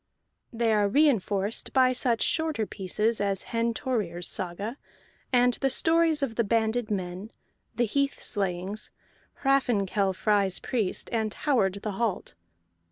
They are reinforced by such shorter pieces as Hen Thorir's Saga, and the Stories of the Banded Men, the Heath Slayings, Hraffnkell Frey's Priest, and Howard the Halt.